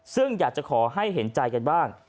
ซึ่งอยากจะขอให้เห็นใจกันบ้าง